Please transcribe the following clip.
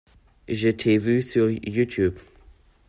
Je t'ai vu sur Youtube!